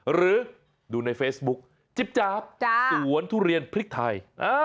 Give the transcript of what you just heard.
หรือดูในเฟซบุ๊กจิ๊บจ๊าบสวนทุเรียนพริกไทย